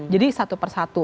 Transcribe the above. jadi satu persatu